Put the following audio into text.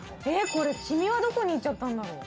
これ黄身はどこに行っちゃったんだろう。